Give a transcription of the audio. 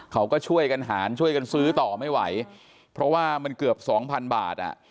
เขาก็ช่วยกันหารช่วยกันซื้อต่อไม่ไหวเพราะว่ามันเกือบสองพันบาทอ่ะ